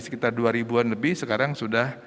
sekitar dua ribuan lebih sekarang sudah